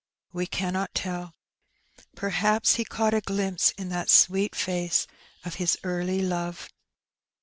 We cannot tell. Perhaps he caught a glimpse in that sweet face of his early love.